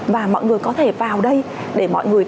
và mọi người có thể vào đây để mọi người